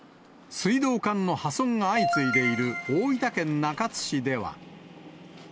水道管の破損が相次いでいる、大分県中津市では。